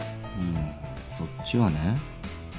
うんそっちはね。